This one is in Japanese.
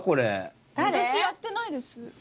私やってないです。